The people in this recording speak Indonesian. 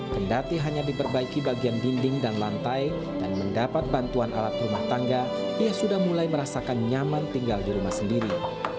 kendati hanya diperbaiki bagian dinding dan lantai dan mendapat bantuan alat rumah tangga ia sudah mulai merasakan nyaman tinggal di rumah sendiri